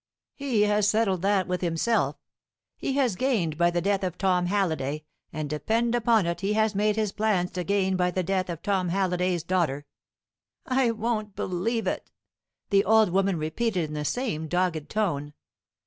"He has settled that with himself. He has gained by the death of Tom Halliday, and depend upon it he has made his plans to gain by the death of Tom Halliday's daughter." "I won't believe it," the old woman repeated in the same dogged tone.